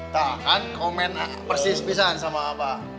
tak akan komen persis persaan sama abah